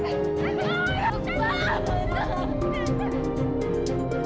andre cepat bawa obatnya